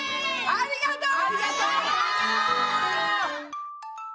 ありがとう！